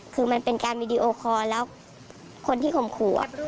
คือมันเป็นการวีดีโอคอร์แล้วคนที่ข่มขู่